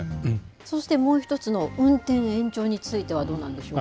そして、もう１つの運転延長についてはどうなんでしょうか。